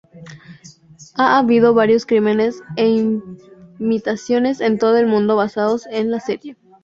Ha habido varios crímenes e imitaciones en todo el mundo basados en la serie.